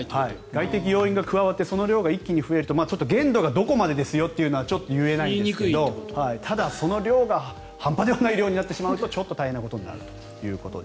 外的要因が加わってその量が一気に増えると量がどこまでですよというのはちょっと言えないんですけどただ、その量が半端ではない量になってしまうとちょっと大変なことになると。